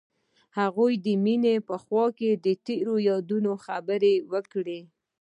هغوی د مینه په خوا کې تیرو یادونو خبرې کړې.